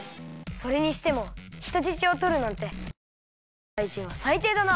それにしてもひとじちをとるなんてこんかいの怪人はさいていだな！